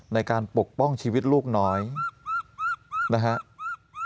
ในการปกป้องชีวิตลูกน้อยนะครับ